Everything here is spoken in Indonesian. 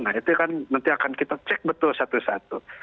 nah itu kan nanti akan kita cek betul satu satu